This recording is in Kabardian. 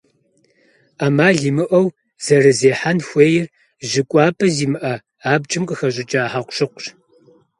Ӏэмал имыӏэу зэрызехьэн хуейр жьы кӏуапӏэ зимыӏэ, абджым къыхэщӏыкӏа хьэкъущыкъущ.